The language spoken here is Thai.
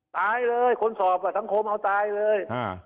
ตายเลยคนสอบสังคมเอาตายเลย